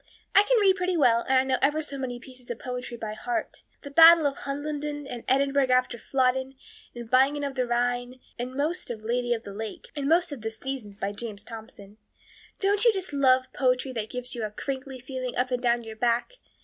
I can read pretty well and I know ever so many pieces of poetry off by heart 'The Battle of Hohenlinden' and 'Edinburgh after Flodden,' and 'Bingen of the Rhine,' and most of the 'Lady of the Lake' and most of 'The Seasons' by James Thompson. Don't you just love poetry that gives you a crinkly feeling up and down your back?